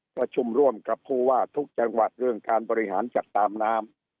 ประชุมร่วมกับผู้ว่าทุกจังหวัดเรื่องการบริหารจัดตามน้ำ